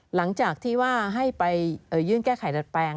หลังจากที่ว่าให้ไปยื่นแก้ไขดัดแปลง